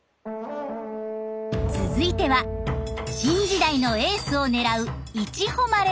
続いては新時代のエースを狙ういちほまれ。